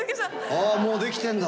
あもうできてんだ。